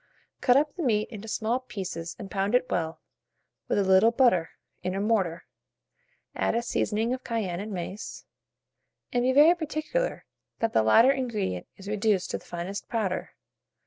Cut up the meat into small pieces and pound it well, with a little butter, in a mortar; add a seasoning of cayenne and mace, and be very particular that the latter ingredient is reduced to the finest powder.